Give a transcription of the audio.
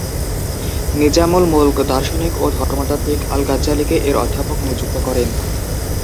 Nizamul Mulk দার্শনিক ও ধর্মতাত্ত্বিক আল-গাজ্জালিকে এর অধ্যাপক নিযুক্ত করেন।